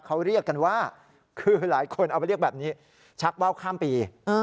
เขาเรียกกันว่าคือหลายคนเอาไปเรียกแบบนี้ชักว่าวข้ามปี